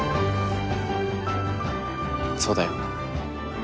そうだよ。